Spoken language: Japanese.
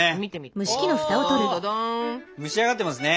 お蒸し上がってますね。